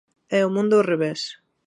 É o mundo ao revés.